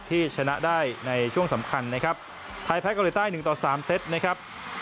ที่ชนะได้ในช่วงสำคัญนะครับไทยแพ้เกาหลีใต้หนึ่งต่อสามเซตนะครับ